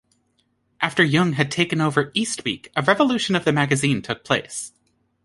After Yeung had taken over "East Week", a revolution of the magazine took place.